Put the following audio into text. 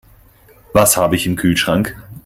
Was habe ich im Kühlschrank?